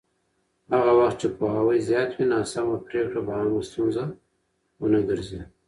هغه وخت چې پوهاوی زیات وي، ناسمه پرېکړه به عامه ستونزه ونه ګرځي.